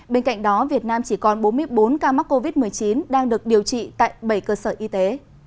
bên cạnh đó việt nam chỉ còn bốn mươi bốn ca mắc covid một mươi chín đang được điều trị tại bảy cơ sở y tế